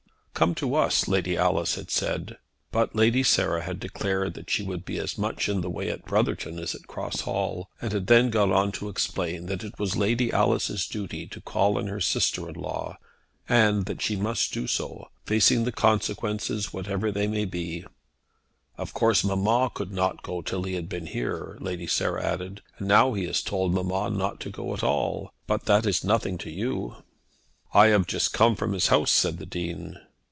"Come to us," Lady Alice had said. But Lady Sarah had declared that she would be as much in the way at Brotherton as at Cross Hall, and had then gone on to explain that it was Lady Alice's duty to call on her sister in law, and that she must do so, facing the consequences whatever they might be. "Of course mamma could not go till he had been here," Lady Sarah added; "and now he has told mamma not to go at all. But that is nothing to you." "I have just come from the house," said the Dean.